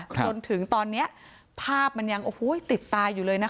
จนถึงตอนนี้ภาพมันยังติดตาอยู่เลยนะคะ